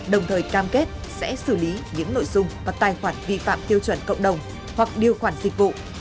đồng thời cam kết sẽ xử lý những nội dung và tài khoản vi phạm tiêu chuẩn cộng đồng hoặc điều khoản dịch vụ